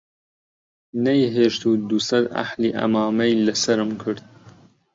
نەیهێشت و دووسەد ئەهلی عەمامەی لە سەرم کرد